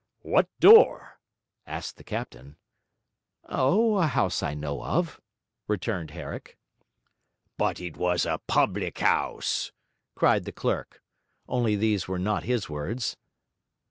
'What door?' asked the captain. 'Oh, a house I know of,' returned Herrick. 'But it was a public house!' cried the clerk only these were not his words.